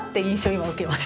今受けました。